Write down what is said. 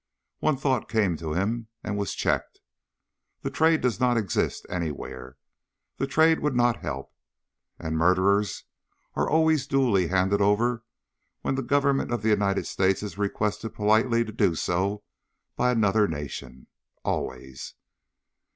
One thought came to him, and was checked. The Trade does not exist, anywhere. The Trade would not help. And murderers are always duly handed over when the Government of the United States is requested politely to do so by another nation. Always.